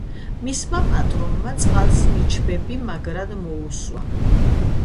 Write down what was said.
მისმა პატრონმა წყალს ნიჩბები მაგრად მოუსვა